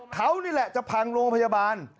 เขานี่แหละจะพังโรงพยาบาล